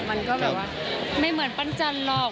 มันก็แบบว่าไม่เหมือนปั้นจันทร์หรอก